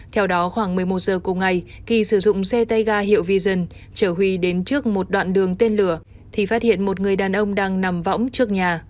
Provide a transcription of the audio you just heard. theo đó khoảng một mươi một giờ cùng ngày kỳ sử dụng xe tay ga hiệu vision chở huy đến trước một đoạn đường tên lửa thì phát hiện một người đàn ông đang nằm võng trước nhà